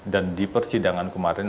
dan di persidangan kemarin